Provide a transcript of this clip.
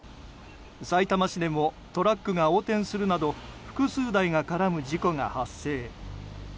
さいたま市でもトラックが横転するなど複数台が絡む事故が発生。